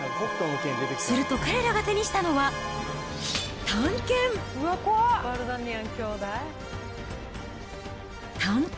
すると彼らが手にしたのは、短剣。